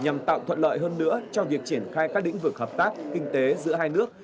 nhằm tạo thuận lợi hơn nữa cho việc triển khai các lĩnh vực hợp tác kinh tế giữa hai nước